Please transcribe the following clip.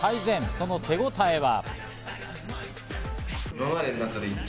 その手応えは。